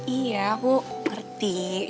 iya aku ngerti